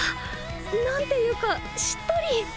何ていうかしっとり！